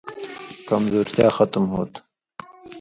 کمزورتیا ختم ہوتُھو۔